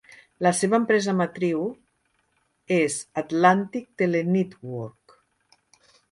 La seva empresa matriu és Atlantic Tele-Network.